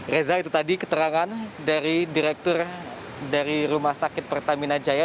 reza itu tadi keterangan dari direktur dari rumah sakit pertamina jaya